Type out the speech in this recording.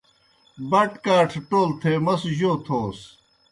بٹ کاٹھہ ٹول تھے موْس جو تھوس؟